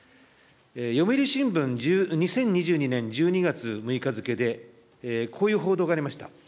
読売新聞、２０２２年１２月６日付で、こういう報道がありました。